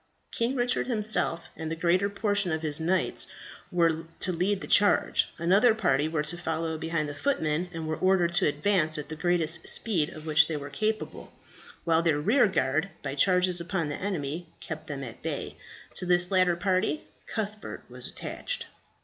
King Richard himself and the greater portion of his knights were to lead the charge; another party were to follow behind the footmen, who were ordered to advance at the greatest speed of which they were capable, while their rearguard by charges upon the enemy, kept them at bay. To this latter party Cuthbert was attached.